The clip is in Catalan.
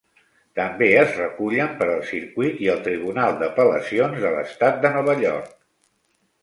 També es recullen per al Circuit, i el Tribunal d'Apel·lacions de l'Estat de Nova York.